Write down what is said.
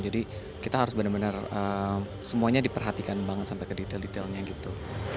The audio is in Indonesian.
jadi kita harus benar benar semuanya diperhatikan banget sampai ke detail detailnya gitu